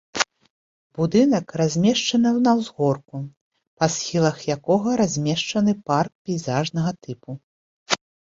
Будынак размешчаны на ўзгорку, па схілах якога размешчаны парк пейзажнага тыпу.